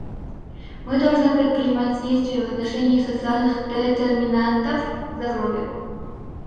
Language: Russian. Мы должны предпринимать действия в отношении социальных детерминантов здоровья.